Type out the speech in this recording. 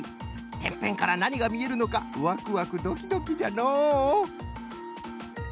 てっぺんからなにがみえるのかワクワクドキドキじゃのう。